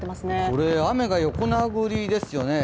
これ雨が横殴りですよね。